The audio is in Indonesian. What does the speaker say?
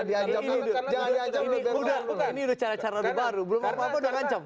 ini sudah cara cara baru belum apa apa sudah kancam